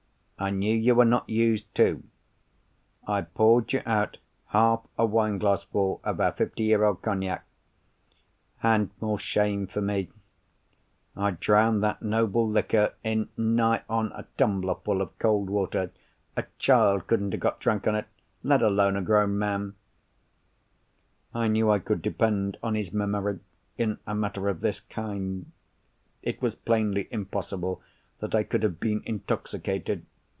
I knew you were not used, too. I poured you out half a wineglass full of our fifty year old Cognac; and (more shame for me!) I drowned that noble liquor in nigh on a tumbler full of cold water. A child couldn't have got drunk on it—let alone a grown man!" I knew I could depend on his memory, in a matter of this kind. It was plainly impossible that I could have been intoxicated.